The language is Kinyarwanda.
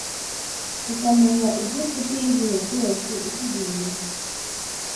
tukamenya iby’Incuti y’ibihe byose itugirira impuhwe